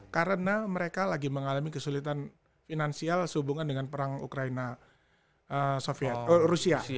karena mereka lagi mengalami kesulitan finansial sehubungan dengan perang ukraina rusia